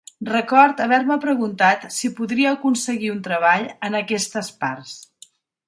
Record haver-me preguntat si podria aconseguir un treball en aquestes parts.